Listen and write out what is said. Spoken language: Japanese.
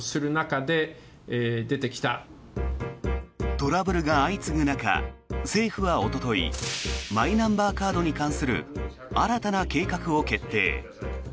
トラブルが相次ぐ中政府はおとといマイナンバーカードに関する新たな計画を決定。